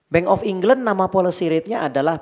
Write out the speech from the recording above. bank of england nama policy ratenya adalah